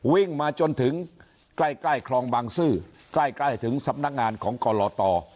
วิ่งมาจนถึงใกล้คลองบางซื่อใกล้ถึงสำนักงานของกรต